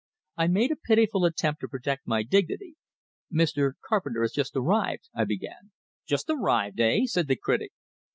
I made a pitiful attempt to protect my dignity. "Mr. Carpenter has just arrived," I began&& "Just arrived, hey?" said the critic.